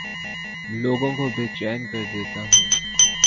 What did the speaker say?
لوگوں کو بے چین کر دیتا ہوں